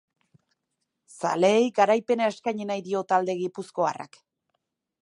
Zaleei garaipena eskaini nahi dio talde gipuzkoarrak.